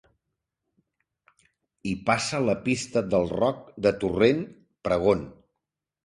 Hi passa la Pista del Roc de Torrent Pregon.